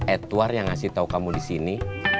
edward yang ngasih tahu kamu di sini